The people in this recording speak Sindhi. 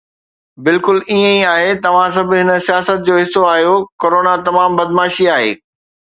بلڪل ائين ئي آهي، توهان سڀ هن سياست جو حصو آهيو، ڪرونا تمام بدمعاشي آهي